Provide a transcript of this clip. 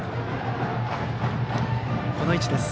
この位置です。